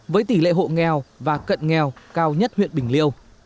với tỷ lệ hộ nghèo và cận nghèo cao nhất huyện bình liêu